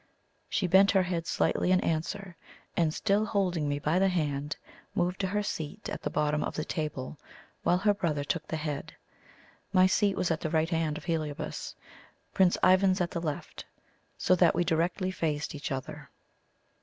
She bent her head slightly in answer, and still holding me by the hand, moved to her seat at the bottom of the table, while her brother took the head. My seat was at the right hand of Heliobas, Prince Ivan's at the left, so that we directly faced each other.